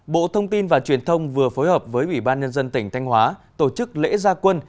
bộ thông tin và truyền thông vừa phối hợp với ủy ban nhân dân tỉnh thanh hóa tổ chức lễ gia quân